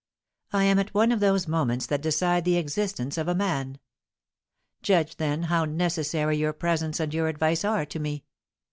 I am at one of those moments that decide the existence of a man. Judge, then, how necessary your presence and your advice are to me.